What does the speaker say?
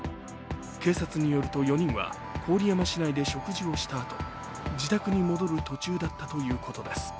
警察によると４人は郡山市内で食事をしたあと、自宅に戻る途中だったということです。